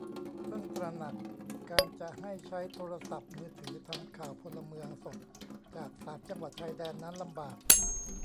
เพิ่งตระหนัก : การจะให้ใช้โทรศัพท์มือถือทำข่าวพลเมืองสดจากสามจังหวัดชายแดน นั้นลำบาก